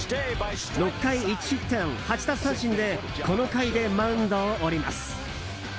６回１失点８奪三振でこの回でマウンドを降ります。